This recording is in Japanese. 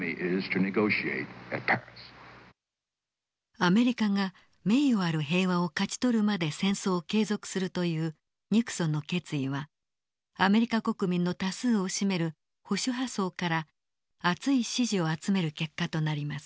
アメリカが名誉ある平和を勝ち取るまで戦争を継続するというニクソンの決意はアメリカ国民の多数を占める保守派層から熱い支持を集める結果となります。